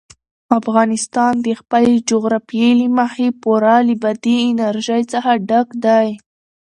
افغانستان د خپلې جغرافیې له مخې پوره له بادي انرژي څخه ډک دی.